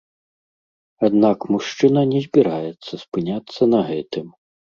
Аднак мужчына не збіраецца спыняцца на гэтым.